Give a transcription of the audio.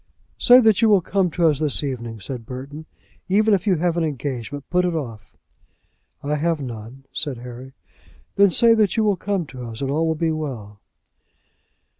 "Say that you will come to us this evening," said Burton. "Even if you have an engagement, put it off." "I have none," said Harry. "Then say that you will come to us, and all will be well."